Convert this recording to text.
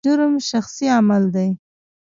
جرم شخصي عمل دی.